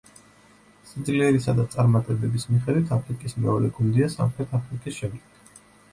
სიძლიერისა და წარმატებების მიხედვით აფრიკის მეორე გუნდია სამხრეთ აფრიკის შემდეგ.